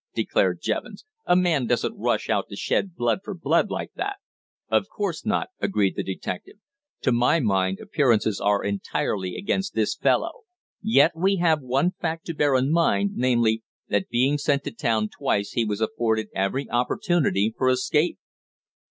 declared Jevons. "A man doesn't rush out to shed blood for blood like that!" "Of course not," agreed the detective. "To my mind appearances are entirely against this fellow. Yet, we have one fact to bear in mind, namely, that being sent to town twice he was afforded every opportunity for escape."